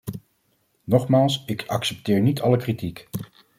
Nogmaals, ik accepteer niet alle kritiek.